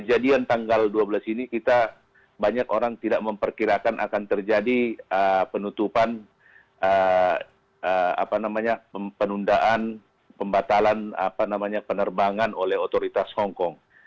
kejadian tanggal dua belas ini kita banyak orang tidak memperkirakan akan terjadi penutupan apa namanya penundaan pembatalan apa namanya penerbangan oleh otoritas hongkong